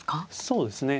そうですね。